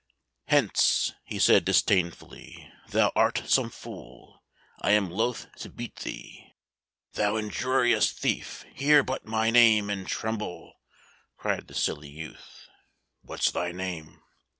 "Hence," he said disdainfully, "thou art some fool; I am loath to beat thee." "Thou injurious thief, hear but my name, and tremble," cried the silly youth. "What's thy name?"